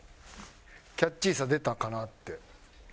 キャッチーさ出たかなって。